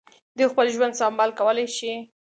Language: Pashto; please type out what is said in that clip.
دوی خپل ژوند سمبال کولای شي.